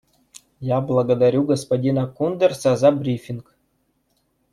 Я благодарю господина Кундерса за брифинг.